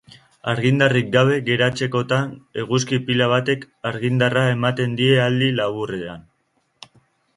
Argindarrik gabe geratzekotan, eguzki-pila batek argindarra ematen die aldi laburrean.